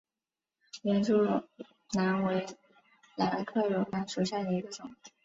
连珠绒兰为兰科绒兰属下的一个种。